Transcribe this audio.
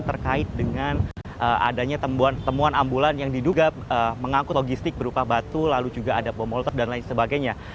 terkait dengan adanya temuan ambulans yang diduga mengangkut logistik berupa batu lalu juga ada bomolet dan lain sebagainya